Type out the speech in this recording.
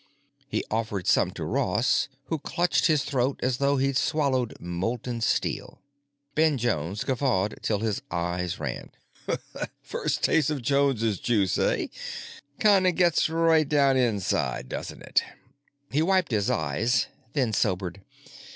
He offered some to Ross; who clutched his throat as though he'd swallowed molten steel. Ben Jones guffawed till his eyes ran. "First taste of Jones's Juice, hey? Kind of gets right down inside, doesn't it?" He wiped his eyes, then sobered.